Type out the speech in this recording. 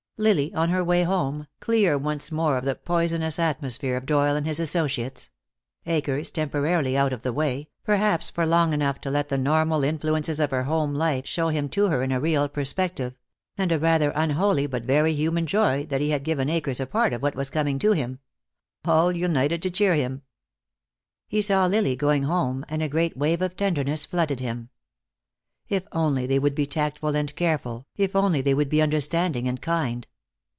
Lily on her way home, clear once more of the poisonous atmosphere of Doyle and his associates; Akers temporarily out of the way, perhaps for long enough to let the normal influences of her home life show him to her in a real perspective; and a rather unholy but very human joy that he had given Akers a part of what was coming to him all united to cheer him. He saw Lily going home, and a great wave of tenderness flooded him. If only they would be tactful and careful, if only they would be understanding and kind.